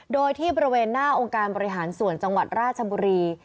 โดยที่บริเวณหน้าองค์การบริหารส่วนจังหวัดราชบุรี